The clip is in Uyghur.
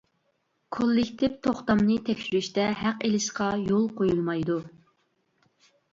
كوللېكتىپ توختامنى تەكشۈرۈشتە ھەق ئېلىشقا يول قويۇلمايدۇ.